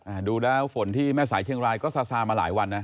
ดูแล้วฝนที่แม่สายเชียงรายก็ซาซามาหลายวันนะ